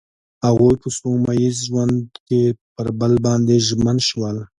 هغوی په سپوږمیز ژوند کې پر بل باندې ژمن شول.